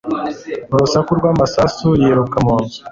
urusaku rw'amasasu yiruka mu nzu